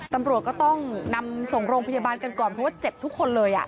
ตำรวจก็ต้องนำส่งโรงพยาบาลกันก่อนเพราะว่าเจ็บทุกคนเลย